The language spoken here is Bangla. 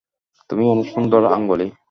তুমি অনেক সুন্দর আজ্ঞলি।